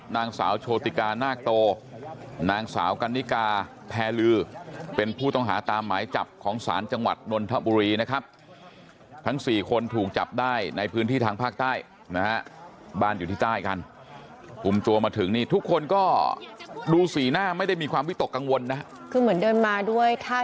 นางสาวโชติกานาคโตนางสาวกันนิกาแพรลือเป็นผู้ต้องหาตามหมายจับของศาลจังหวัดนนทบุรีนะครับทั้งสี่คนถูกจับได้ในพื้นที่ทางภาคใต้นะฮะบ้านอยู่ที่ใต้กันคุมตัวมาถึงนี่ทุกคนก็ดูสีหน้าไม่ได้มีความวิตกกังวลนะคือเหมือนเดินมาด้วยท่า